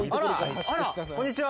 あらこんにちは。